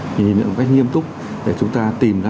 nhìn nhận một cách nghiêm túc để chúng ta tìm ra